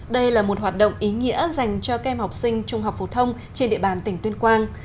đây là một hoạt động ý nghĩa dành cho kem học sinh trung học phổ thông trên địa bàn tỉnh tuyên quang